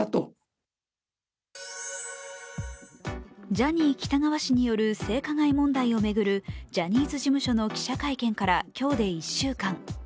ジャニー喜多川氏による性加害問題を巡るジャニーズ事務所の記者会見から今日で１週間。